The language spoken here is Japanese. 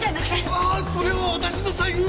あっそれは私の財布！